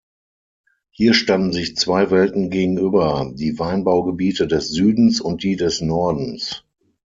Hier standen sich zwei Welten gegenüber, die Weinbaugebiete des Südens und die des Nordens.